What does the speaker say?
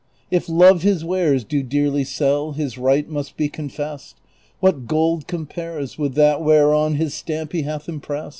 If Love his wares Do dearly sell, his right must be confest ; What gold compares With that whereon his stamp he hath imprest